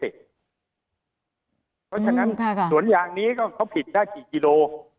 เพราะฉะนั้นสวนยางนี้ก็เขาผิดได้กี่กิโล